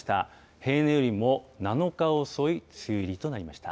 平年よりも７日遅い梅雨入りとなりました。